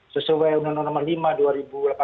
sesuai undang undang nomor lima dua ribu delapan belas